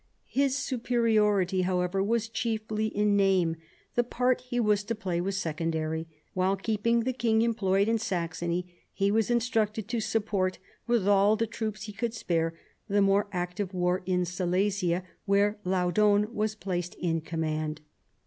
His superiority, however, was chiefly in name; the part he was to play was secondary; while keeping the king employed in Saxony, he was instructed to support with all the troops he could spare the more active warfare in ^lesia, where Laudon was placed in command.